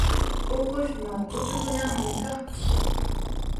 Ukushnaw uchukllami kaa.